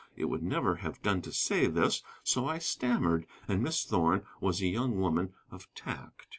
It would never have done to say this, so I stammered. And Miss Thorn was a young woman of tact.